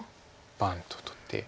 バンッと取って。